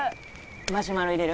マシュマロ入れる？